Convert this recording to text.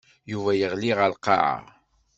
Yuba yeɣli ɣer lqaɛa.